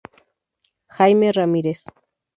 Jaime Ramírez.